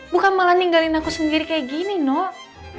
bukan malah ninggalin aku sendiri kayak gini nol